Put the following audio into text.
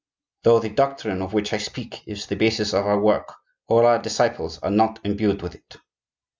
Though the doctrine of which I speak is the basis of our work, all our disciples are not imbued with it.